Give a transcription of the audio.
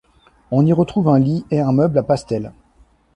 On y retrouve un lit et un meuble à pastel.